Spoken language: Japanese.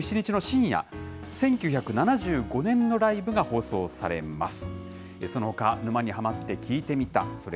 ちなみにあす２７日の深夜、１９７５年のライブが放送されます。